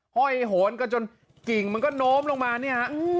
ห้อยโหนกันจนกิ่งมันก็โน้มลงมาเนี่ยฮะ